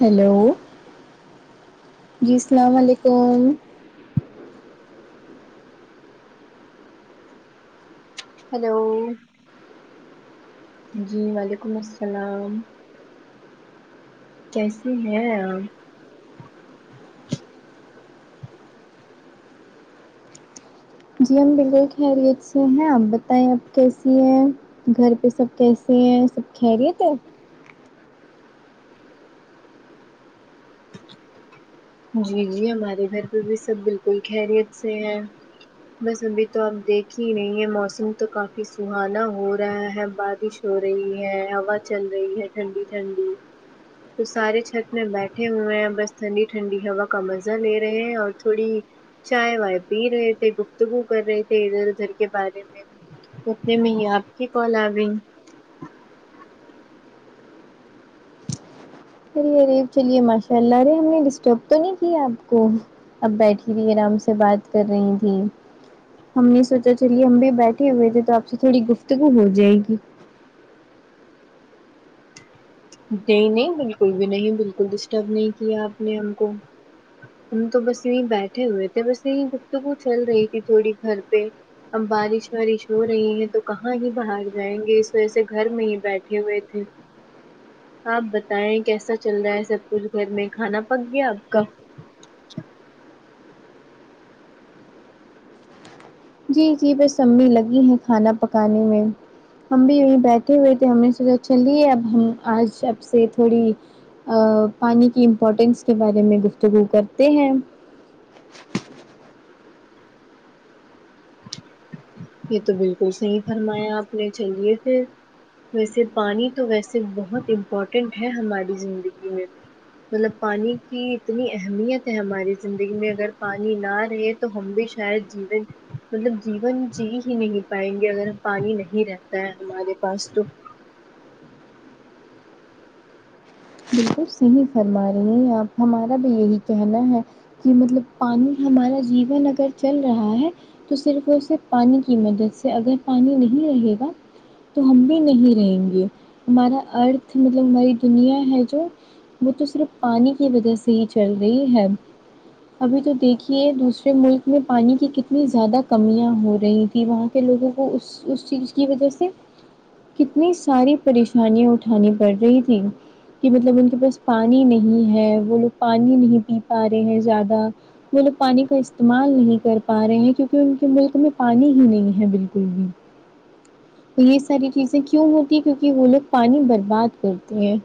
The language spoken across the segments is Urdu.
ہلو جی سلام علیکم ہیلو جی وعلیکم السلام کیسی ہیں آپ جی ہم بالکل خیریت سے ہیں آپ بتائیں آپ کیسی ہیں گھر پہ سب کیسے ہیں سب خیریت ہے جی جی ہمارے گھر پہ بھی سب بالکل خیریت سے ہیں بس ابھی تو آپ دیکھ ہی رہی ہیں موسم تو کافی سہانا ہو رہا ہے بارش ہو رہی ہے ہوا چل رہی ہے ٹھنڈی ٹھنڈی تو سارے چھت میں بیٹھے ہوئے ہیں بس تھن ٹھنڈی ہوا کا مزہ لے رہے ہیں اور تھوڑی چائے وائے پی رہے تھے گفتگو کر رہے تھے ادھر ادھر کے بارے میں اتنے میں ہی آپ کی کال آ گئی ارے ارے چلیے ماشاء اللہ ارے ہم نے ڈسٹرب تو نہیں کیا آپ کو اب بیٹھی تھی آرام سے بات کر رہی تھی ہم نے سوچا چلیے ہم بھی بیٹھے ہوئے تھے تو آپ سے تھوڑی گفتگو ہو جائے گی نہیں نہیں بالکل بھی نہیں بالکل ڈسٹرب نہیں کیا آپ نے ہم کو ہم تو بس یہیں بیٹھے ہوئے تھے بس یہیں گفتگو چل رہی تھی تھوڑی گھر پہ اب بارش وارش ہو رہی ہے تو کہاں ہی باہر جائیں گے اس وجہ سے گھر میں ہی بیٹھے ہوئے تھے آپ بتائیں کیسا چل رہا ہے سب کچھ گھر میں کھانا پک گیا آپ کا جی جی بس امی لگی ہے کھانا پکانے میں ہم بھی یہیں بیٹھے ہوئے تھے ہم نے سوچا چلیے اب ہم آج سب سے تھوڑی پانی کی امپورٹینس کے بارے میں گفتگو کرتے ہیں یہ تو بالکل صحیح فرمایا آپ نے چلیے پھر ویسے پانی تو ویسے بہت امپورٹینٹ ہے ہماری زندگی میں مطلب پانی کی اتنی اہمیت ہے ہماری زندگی میں اگر پانی نہ رہے تو ہم بھی شاید جین مطلب جیون جی ہی نہیں پائیں گے اگر ہم پانی نہیں رہتا ہے ہمارے پاس تو بالکل صحیح فرما رہی ہیں آپ ہمارا بھی یہی کہنا ہے کہ مطلب پانی ہمارا جیون اگر چل رہا ہے تو صرف اور صرف پانی کی مدد سے اگر پانی نہیں رہے گا تو ہم بھی نہیں رہیں گے ہمارا ارتھ مطلب ہماری دنیا ہے جو وہ تو صرف پانی کی وجہ سے ہی چل رہی ہے ابھی تو دیکھیے دوسرے ملک میں پانی کی کتنی زیادہ کمیاں ہو رہی کہ وہاں کے لوگوں کو اس اس چیز کی وجہ سے کتنی ساری پریشانیاں اٹھانی پڑ رہی تھیں کہ مطلب ان کے پاس پانی نہیں ہے وہ لوگ پانی نہیں پی پا رہے ہیں زیادہ وہ لوگ پانی کا استعمال نہیں کر پا رہے ہیں کیونکہ ان کے ملک میں پانی ہی نہیں ہے بالکل بھی تو یہ ساری چیزیں کیوں ہوتی ہیں کیونکہ وہ لوگ پانی برباد کرتے ہیں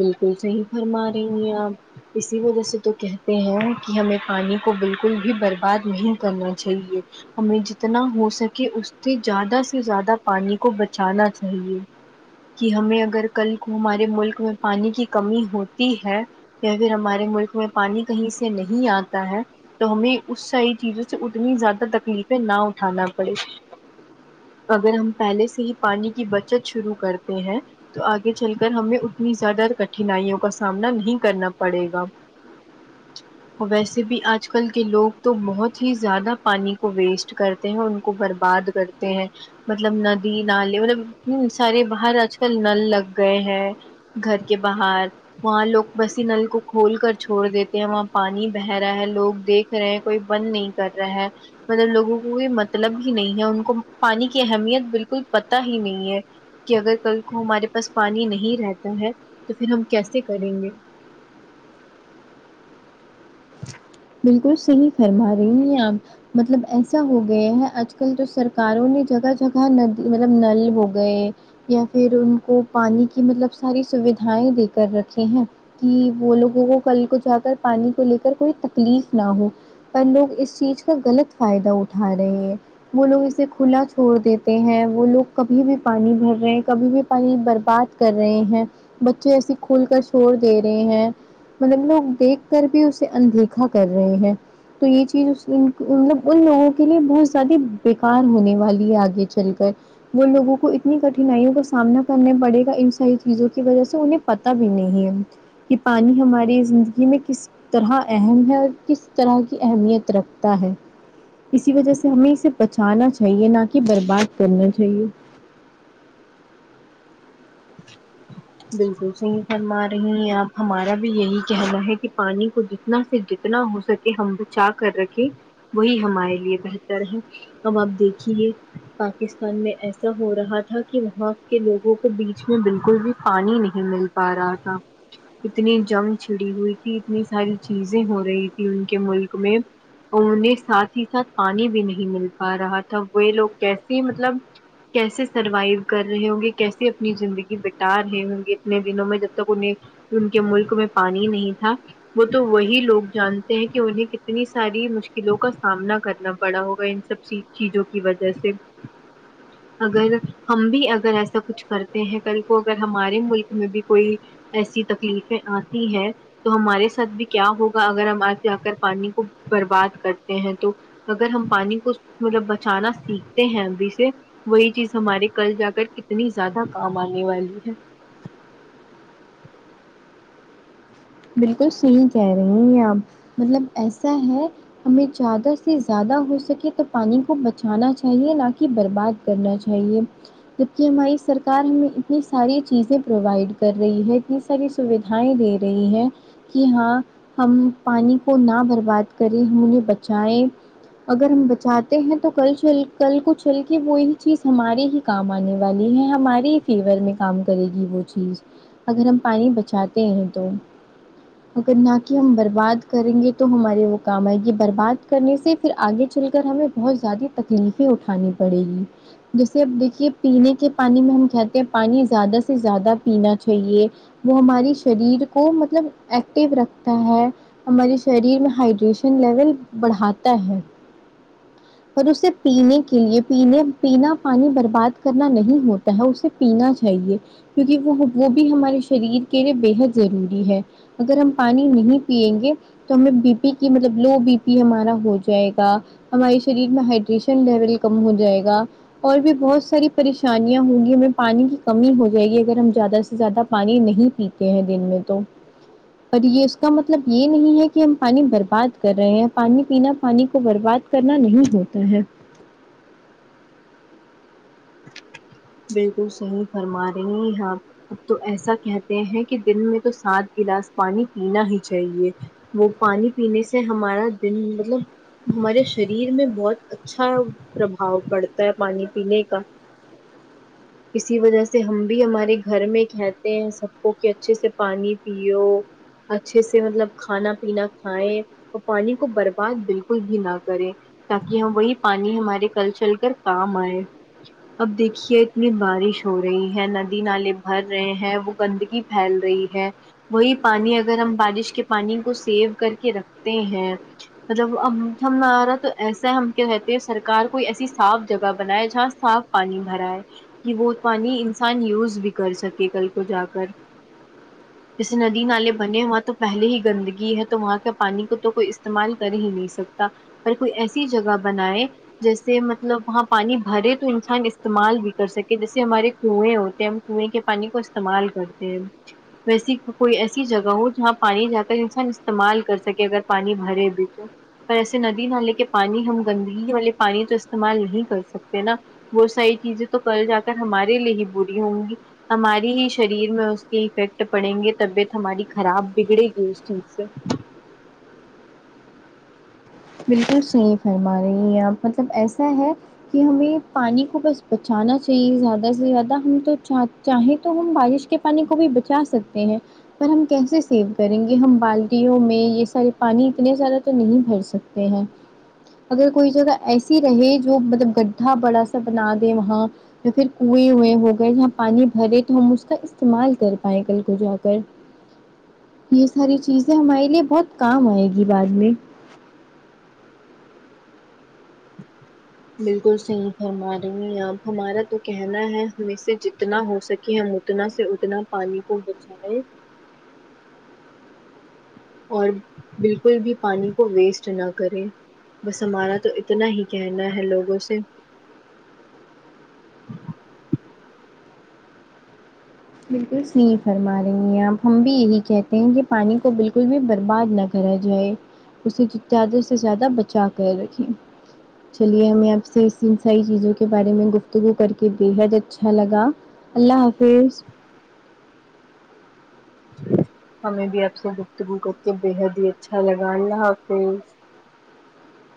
بالکل صحیح فرما رہی ہیں آپ اسی وجہ سے تو کہتے ہیں کہ ہمیں پانی کو بالکل بھی برباد نہیں کرنا چاہیے ہمیں جتنا ہو سکے اس سے زیادہ سے زیادہ پانی کو بچانا چاہیے کہ ہمیں اگر کل کو ہمارے ملک میں پانی کی کمی ہوتی ہے یا پھر ہمارے ملک میں پانی کہیں سے نہیں آتا ہے تو ہمیں اس ساری چیزوں سے اتنی زیادہ تکلیفیں نہ اٹھانا پڑے اگر ہم پہلے سے ہی پانی کی بچت شروع کرتے ہیں تو آگے چل کر ہمیں انی زیادہ کٹھینائیوں کا سامنا نہیں کرنا پڑے گا ج [inaudible] ویسے بھی آج کل کے لوگ تو بہت ہی زیادہ پانی کو ویسٹ کر تے ہیں ان کو برباد کرتے ہیں مطلب ندی نالے مطلب اتنے سارے باہر آج کل نل لگ گئے ہیں گھر کے باہر وہاں لوگ ویسی نل کو کھول کر چھوڑ دیتے ہیں وہاں پانی بہ رہا ہے لوگ دیکھ د رہے کوئی بند نہیں کر رہا ہے تھوڑے لوگوں کو کوئی مطلب ہی نہیں ہے ان کو پانی کی اہمیت بالکل پتا ہی نہیں ہے کہ اگر کل کو ہمارے پاس پانی نہیں رہتا ہے تو پھر ہم کیسے کریں گے بالکل صحیح فرما رہی ہیں آپ مطلب ایسا ہو گیا ہے آج کل تو سرکاروں نے جگہ جگہ ندی مطلب نل ہو گئے یا پھر ان کو پانی کی مطلب ساری سویدھائیں دے کر رکھے ہیں کہ وہ لوگوں کو کل کو جا کر پانی کو لے کر کوئی تکلیف نہ ہو پر لوگ اس چیز کا غلط فائدہ اٹھا رہے ہیں وہ لوگ اسے کھلا چھوڑ دیتے ہیں وہ لوگ کبھی بھی پانی بھر رہے ہیں کبھی بھی پانی برباد کر رہے ہیں بچے ایسے کھل کر چھوڑ دے رہے ہیں مطلب لوگ دیکھ کر بھی اسے اندیک کھا کر رہے ہیں تو یہ چیز اس مطلب ان لوگوں کے لیے لوس سدی بےکار ہونے والی ہے آگے چل کر وہ لوگوں کو اتنی کٹھنائیوں کا سامنا کرنا پڑے گا ان ساری چیزوں کی وجہ سے انہیں پتا بھی نہیں ہے کہ پانی ہماری زندگی میں کس طرح اہم ہے اور کس طرح کی اہمیت رکھتا ہے اسی وجہ سے ہمیں اسے بچانا چاہیے نہ کہ برباد کرنا چاہیے بالکل صحیح فرما رہی ہیں آپ ہمارا بھی یہی کہنا ہے کہ پانی کو جتنا پھے اتنا ہو سکے ہم بچا کر رکھے وہی ہمارے لیے بہتر ہے اب آپ دیکھیے پاکستان میں ایسا ہو رہا تھا کہ وہاں کے لوگوں کو بیچ میں بالکل بھی پانی نہیں مل پا رہا تھا اتنی جنگ چھڑی ہوئی تھی اتنی ساری چیزیں ہو رہی تھی ان کے ملک میں انہیں ساتھ ہی ساتھ پانی بھی نہیں مل پا رہا تھا وہ لوگ کیسے مطلب کیسے سروائو کر رہے ہوں گے کیسے اپنی زندگی یا ر اتنے دنوں میں جب تک انہیں ان کے ملک میں پانیہی نہیں تھا وہ تو وہی لوگ جانتے ہیں کہ انہیں کتنی ساری مشکلوں کا سامنا کرنا پڑا ہوگا ان سب چی چیزوں کی وجہ سے جچ [inaudible] اگر ہم بھی اگر ایسا کچھ کرتے ہیں کل کو اگر ہمارے ملک میں بھی کوئی ایسی تکلیفیں آتی ہے تو ہمارے ساتھ بھی کیا ہوگا اگر ہم آگے جا کر پانی کو برباد کرتے ہیں تو اگر ہم پانی کو مطلب بچانا سیکھتے ہیں ابھی سے وہی چیز ہمارے کل جا کر کتنی زیادہ کام آنے والی ہے بالکل صحیح کہہ رہی ہیں آپ مطلب ایسا ہے ہمیں زیادہ سے زیادہ ہو سکے تو پانی کو بچانا چاہیے نہ کہ برباد کرنا چاہیے جب کہہ ہماری سرکار ہمیں اتنی ساری چیزیں پرووائڈ کر رہی ہے کس ساری سویدھائیں دے رہی ہیں کہ ہاں ہم پانی کو نہ برباد کریں ہم انہیں بچائیں اگر ہم بچاتے ہیں تو کل چل کل کو چل کے وہی چیز ہماری ہی کام آنے والی ہے ہماریے ہی فیور میں کام کرے گی وہ چیز اگر ہم پانی بچاتے ہیں تو اگر نہ کہ ہم برباد کریں گے تو ہمارے وہ کام آئے گی برباد کرنے سے پھر آگے چل کر ہمیں بہت زیادہ تکلیفیں اٹھانی پڑے گی جیسے اب دیکھیے پینے کے پانی میں ہم کہتے ہیں پانی زیادہ سے زیادہ پینا چاہیے وہ ہماری شریر کو مطلب ایکٹیو رکھتا ہے ہمارے شریر میں ہائڈریشن لیول بڑھاتا ہے اور اسے پینے کے لیے پینے پینا پانی برباد کرنا نہیں ہوتا ہے اسے پینا چاہیے کیونکہ وہ وہ بھی ہمارے شریر کے لیے بےحد ضروری ہے اگر ہم پانی نہیں پیئیں گے تو ہمیں بی پی کی مطلب لو بی پی ہمارا ہو جائے گا ہمارے شریر میں ہائڈریشن لیول کم ہو جائے گا اور بھی بہت ساری پریشانیاں ہوں گی ہمیں پانی کی کمی ہو جائے گی اگر ہم زیادہ سے زیادہ پانی نہیں پیتے ہیں دن میں تو اور یہ اس کا مطلب یہ نہیں ہے کہ ہم پانی برباد کر رہے ہیں پانی پینا پانی کو برباد کر نا نہیں ہوتا ہے بالکل صحیح فرما رہی ہیں آپ اب تو ایسا کہتے ہیں کہ دن میں تو سات گلاس پانی پینا ہی چاہیے وہ پانی پینے سے ہمارا دن مطلب ہمارے شریر میں بہت اچھا پربھاؤ پڑتا ہے پانی پینے کا اسی وجہ سے ہم بھی ہمارے گھر میں کہتے ہیں سب کو کہ اچھے سے پانی پیو اچھے سے مطلب کھانا پینا کھائیں اور پانی کو برباد بالکل بھی نہ کریں تاکی ہم وہی پانی ہمارے کل چل کر کام آئے اب دیکھیے اتنی بارش ہو رہی ہے ندی نالے بھر رہے ہیں وہ گندگی پھیل رہی ہے وہی پانی اگر ہم بارش کے پانی کو سیو کر کے رکھتے ہیں مطلب آ ہمارا تو ایسا ہے ہم کیا کہتے سرکار کوئی ایسی صاف جگہ بنائے جہاں صاف پانی بھرا ہے کی وہ پانی انسان یوز بھی کر سکے کل کو جا کر جیسے ندی نالے بنے ہیں وہاں تو پہلے ہی گندگی ہے تو وہاں کا پانی کو تو کوئی استعمال کر ہی نہیں سکتا پر کوئی ایسی جگہ بنائے جیسے مطلب وہاں پانی بھرے تو انسان استعمال بھی کر سکے جیسے ہمارے کنویں ہوتے ہیں ہم کنویں کے پانی کو استعمال کرتے ہیں ویسی کوئی ایسی جگہ ہو جہاں پانی جا کر انسان استعمال کر سکے اگر پانی بھرے بھی تو پر ایسے ندی نالے کے پانی ہم گندگی والے پانی تو استعمال نہیں کر سکتے نا وہ ساری چیزیں تو کل جا کر ہمارے لیے ہی بری ہوں گی ہماری ہی شریر میں اس کی افیکٹ پڑیں گے طبیعت ہماری خراب بگڑے گی اس چیز سے بالکل صحیح فرما رہی ہیں آپ مطلب ایسا ہے کی ہمیں پانی کو بس بچانا چاہیے زیادہ سے زیادہ ہم تو چاہ چاہے تو ہم بارش کے پانی کو بھی بچا سکتے ہیں پر ہم کیسے سیو کریں گے ہم بالٹیوں میں یے سارے پانی اتنے زیادہ تو نہیں بھر سکتے تے ہے اگر کوئی جگہ ایسی رہے جو مطلب گڈھا بڑا سا بنا دے وہاں یا پھر کنویں ویں ہو گئے جہاں پانی بھرے تو ہم اس کا استعمال کر پائیں کل کو جا کر یے ساری چیزیں ہمارے لیے بہت کام آئے گی بعد میں بالکل صحیح فرما رہی ہیں آپ ہمارا تو کہنا ہے ہمیں سے جتنا ہو سکے ہم اتنا سے اتنا پانی کو بچائیں اور بالکل بھی پانی کو ویسٹ نہ کریں بس ہمارا تو اتنا ہی کہنا ہے لوگوں سے بالکل صحیح فرما رہی ہیں آپ ہم بھی یہی کہتے ہیں کی پانی کو بالکل بھی برباد نہ کرا جائے اسے زیادہ سے زیادہ بچا کر رکھیں چلیے ہمیں آپ سے اس ساری چیزوں کے بارے میں گفتگو کر کے بےحد اچھا لگا اللہ حافظ ہمیں بھی آپ سے گفتگو کر کے بےحد ہی اچھا لگا اللہ حافظ